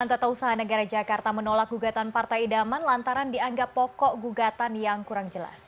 tata usaha negara jakarta menolak gugatan partai idaman lantaran dianggap pokok gugatan yang kurang jelas